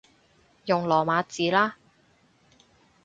用羅馬字啦